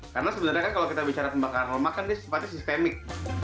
karena sebenarnya kan kalau kita bicara ngebakar lemak kan dia seperti sistemik